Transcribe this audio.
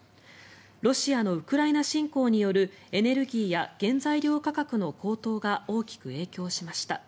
ロシアのウクライナ侵攻によるエネルギーや原材料価格の高騰が大きく影響しました。